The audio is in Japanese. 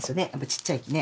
ちっちゃいきね。